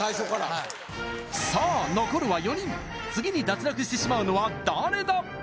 はいさあ残るは４人次に脱落してしまうのは誰だ？